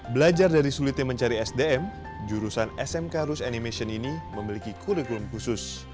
belajar dari sulitnya mencari sdm jurusan smk rus animation ini memiliki kurikulum khusus